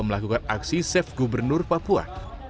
melakukan aksi safe gubernur papua